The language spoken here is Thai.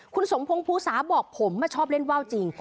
คุณสมพงศ์ภูสาบอกผมชอบเล่นว่าวจริง